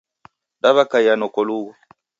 Daw'ekaiya nokolughu.